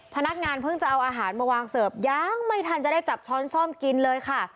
พนักงานเพิ่งจะเอาอาหารมาวางเสิร์ฟยังไม่ทันจะได้จับช้อนซ่อมกินเลยค่ะ